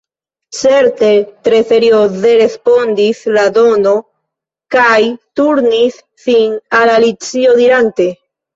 “Certe,” tre serioze respondis la Dodo, kaj turnis sin al Alicio dirante: